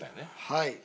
はい。